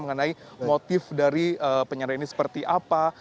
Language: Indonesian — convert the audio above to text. mengenai motif dari penyandera ini seperti apa